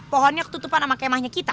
pohonnya ketutupan sama kemahnya kita